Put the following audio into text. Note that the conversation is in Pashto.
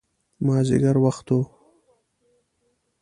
مازدیګر وخت و.